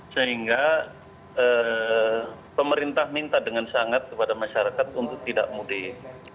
sehingga pemerintah minta dengan sangat kepada masyarakat untuk tidak mudik